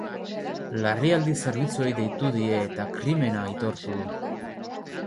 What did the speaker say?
Larrialdi zerbitzuei deitu die eta krimena aitortu du.